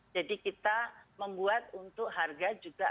jadi kita membuat untuk harga juga